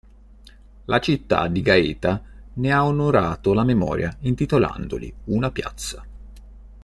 La città di Gaeta ne ha onorato la memoria intitolandogli una piazza.